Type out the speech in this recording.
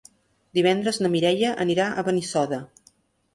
Divendres na Mireia anirà a Benissoda.